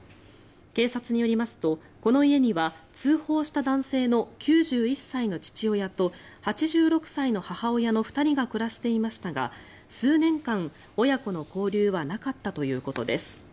警察によりますと、この家には通報した男性の９１歳の父親と８６歳の母親の２人が暮らしていましたが数年間、親子の交流はなかったということです。